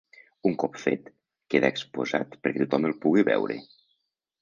Un cop fet, queda exposat perquè tothom el vulgui veure.